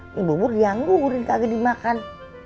ini bubur yang gurih kagak dimakan